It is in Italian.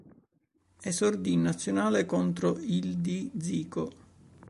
Esordì in Nazionale contro il di Zico.